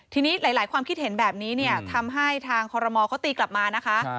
ทีนี้หลายความคิดเห็นแบบนี้เนี่ยทำให้ทางคอรมอลเขาตีกลับมานะคะ